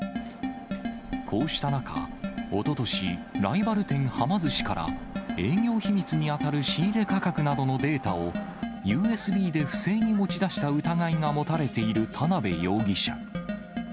こうした中、おととし、ライバル店、はま寿司から営業秘密に当たる仕入れ価格などのデータを、ＵＳＢで不正に持ち出した疑いが持たれている田辺容疑者。